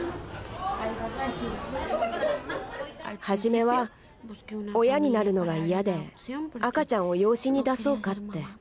初めは親になるのが嫌で赤ちゃんを養子に出そうかって。